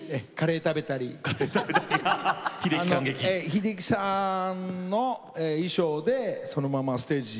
秀樹さんの衣装でそのままステージ。